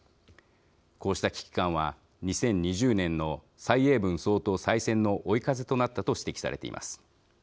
こうした危機感は２０２０年の蔡英文総統、再選の追い風となったと指摘されています。